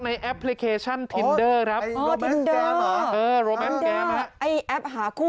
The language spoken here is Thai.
แอปหาคู่เขย่านี่ครับ